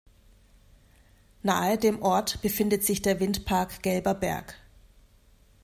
Nahe dem Ort befindet sich der Windpark Gelber Berg.